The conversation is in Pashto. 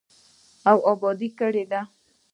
او اباد کړی دی.